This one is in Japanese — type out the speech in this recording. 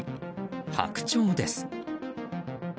ハクチョウです。